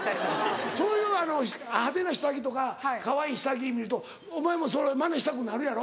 そういう派手な下着とかかわいい下着見るとお前もそれマネしたくなるやろ？